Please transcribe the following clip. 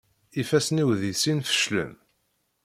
Ifassen-iw di sin feclen.